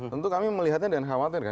tentu kami melihatnya dan khawatir kan